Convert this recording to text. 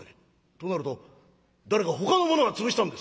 となると誰かほかの者が潰したんですか？」。